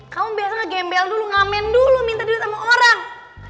kamu biasanya gembel dulu ngamen dulu minta duit sama orang